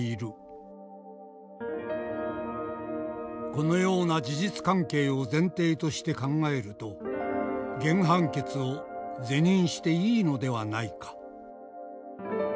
「このような事実関係を前提として考えると原判決を是認していいのではないか」。